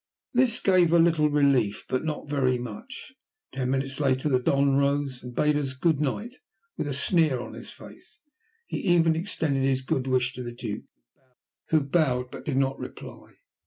This gave a little relief, but not very much. Ten minutes later the Don rose and bade us "good night." With a sneer on his face, he even extended his good wish to the Duke, who bowed, but did not reply.